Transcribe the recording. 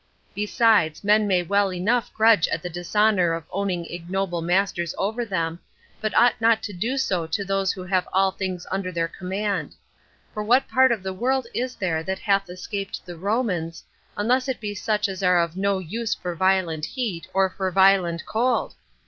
Besides, men may well enough grudge at the dishonor of owning ignoble masters over them, but ought not to do so to those who have all things under their command; for what part of the world is there that hath escaped the Romans, unless it be such as are of no use for violent heat, or for violent cold?